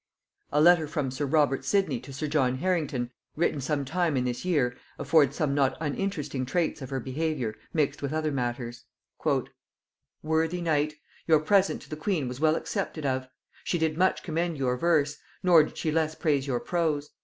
A letter from sir Robert Sidney to sir John Harrington, written some time in this year, affords some not uninteresting traits of her behaviour, mixed with other matters: "Worthy knight; "Your present to the queen was well accepted of; she did much commend your verse, nor did she less praise your prose....